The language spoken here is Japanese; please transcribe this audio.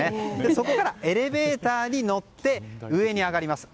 そこからエレベーターに乗って上に上がります。